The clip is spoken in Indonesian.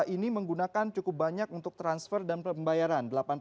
ini menggunakan cukup banyak untuk transfer dan pembayaran